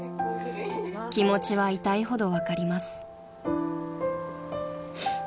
［気持ちは痛いほど分かります］